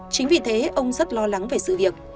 chính vì thế ông rất lo lắng về sự việc